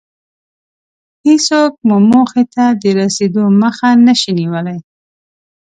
هېڅوک مو موخې ته د رسېدو مخه نشي نيولی.